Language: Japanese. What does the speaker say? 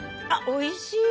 おいしい！